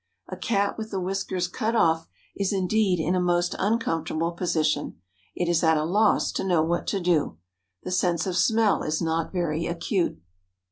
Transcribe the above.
A Cat with the whiskers cut off is indeed in a most uncomfortable position; it is at a loss to know what to do. The sense of smell is not very acute.